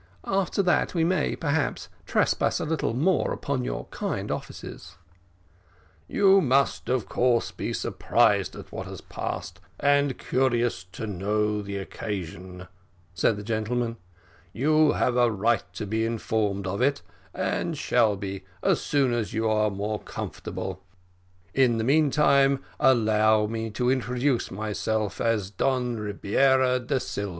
After that we may, perhaps, trespass a little more upon your kind offices." "You must, of course, be surprised at what has passed, and curious to know the occasion," said the gentleman; "you have a right to be informed of it, and shall be, as soon as you are more comfortable; in the meantime, allow me to introduce myself as Don Rebiera de Silva."